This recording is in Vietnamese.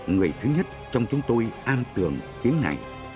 người thứ nhất trong chúng tôi an tưởng tiếng này